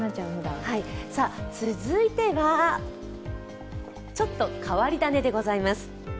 続いては、ちょっと変わり種でございます。